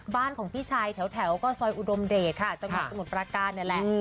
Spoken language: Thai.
บ้านของพี่ชายแถวก็ซอยอุดมเดชค่ะจังหวัดสมุทรประการนี่แหละ